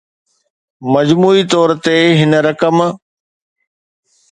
مجموعي طور تي هن رقم